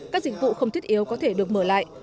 các dịch vụ không thiết yếu có thể được mở lại